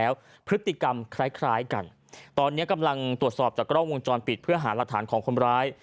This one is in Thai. วันนี้กำลังตรวจสอบจากกล้องวงจรปิดเพื่อหารัฐานของคนร้าย